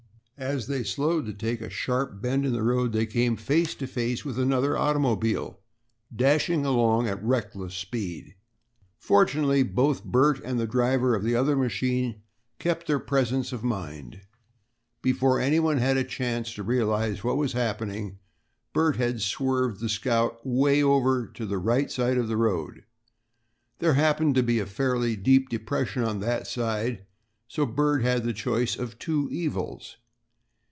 As they slowed up to take a sharp bend in the road they came face to face with another automobile dashing along at a reckless speed. Fortunately both Bert and the driver of the other machine kept their presence of mind. Before anyone had a chance to realize what was happening, Bert had swerved the Scout way over to the right side of the road. There happened to be a fairly deep depression on that side, so Bert had the choice of two evils.